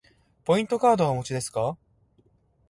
ポイントカードはお持ちですか。